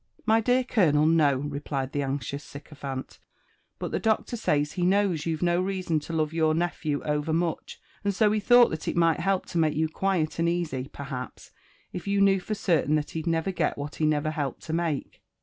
" My dear colonel, no," replied the anxious sycophant ;but the doctor says he knows you've no reason to love your nephew overmuch, and so ho thought that it might help to make you quiet and easy, per haps, if you knew for certain that he'd never get what he never helped to make."